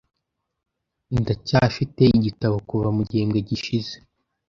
Ndacyafite igitabo kuva mu gihembwe gishize.